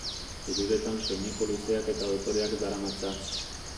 Hiruretan soineko luzeak eta dotoreak daramatza.